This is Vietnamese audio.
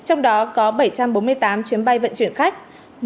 trong đó có bảy trăm bốn mươi tám chuyến bay vận chuyển khách